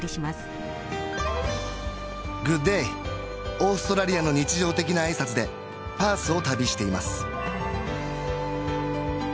オーストラリアの日常的な挨拶でパースを旅しています